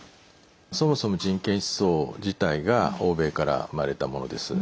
そもそも人権思想自体が欧米から生まれたものです。